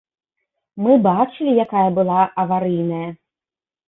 Мы бачылі, якая была аварыйная.